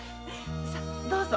さどうぞ。